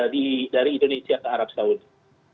dari indonesia ke arab saudi